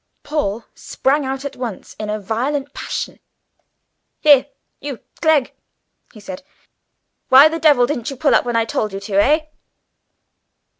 Paul sprang out at once in a violent passion. "Here, you, Clegg!" he said, "why the devil didn't you pull up when I told you? eh?"